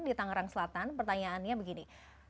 di tangerang selatan pertanyaannya begini